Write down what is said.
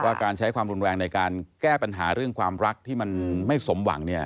การใช้ความรุนแรงในการแก้ปัญหาเรื่องความรักที่มันไม่สมหวังเนี่ย